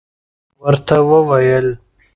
او ورته ووېل